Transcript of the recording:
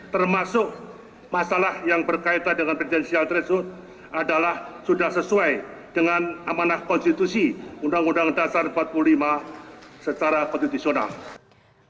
termasuk masalah yang berkaitan dengan presidensial threshold adalah sudah sesuai dengan amanah konstitusi undang undang dasar empat puluh lima secara konstitusional